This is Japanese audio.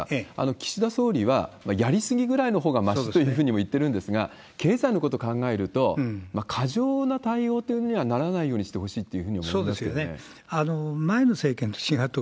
岸田総理は、やりすぎぐらいのほうがましというふうにも言ってるんですが、経済のことを考えると、過剰な対応というのにはならないようにしてほしいというふうに思いますよね。